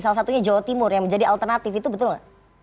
salah satunya jawa timur yang menjadi alternatif itu betul nggak